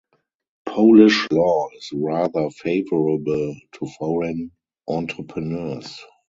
Polish law is rather favourable to foreign entrepreneurs.